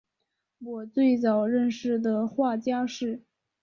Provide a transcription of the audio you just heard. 我最早认识的画家是